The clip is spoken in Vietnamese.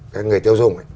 các người tiêu dùng